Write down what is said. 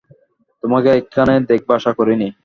তোমাকে এখানে দেখব আশা করিনি।